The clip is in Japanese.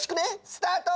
スタート！